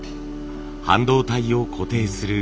半導体を固定する台です。